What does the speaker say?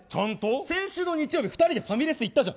先週の日曜日２人でファミレスいったじゃん。